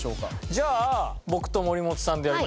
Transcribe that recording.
じゃあ僕と森本さんでやりましょうかね。